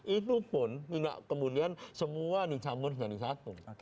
itu pun tidak kemudian semua dicampur jadi satu